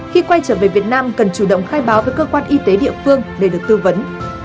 khi quay trở về việt nam cần chủ động khai báo với cơ quan y tế địa phương để được tư vấn